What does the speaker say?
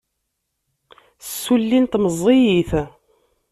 Ssullint meẓẓiyit.